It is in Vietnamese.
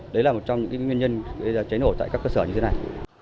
đấy là một trong những nguyên nhân cháy nổ tại các cơ sở như thế này